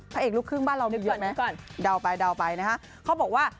พระเอกลูกครึ่งบ้านเรามีเยอะไหมดาวไปนะคะเขาบอกว่า